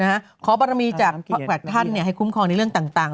นะฮะขอบรรมีจากท่านเนี่ยให้คุ้มครองในเรื่องต่างต่าง